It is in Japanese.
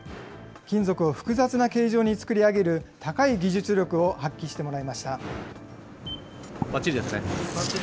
金属を複雑な形状に作り上げる高い技術力を発揮してもらいました。